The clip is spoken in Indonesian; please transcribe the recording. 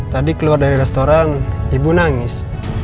tadi keluar dari restoran ibu nangis